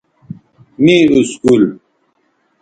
می اسکول